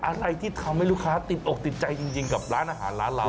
อะไรที่ทำให้ลูกค้าติดอกติดใจจริงกับร้านอาหารร้านเรา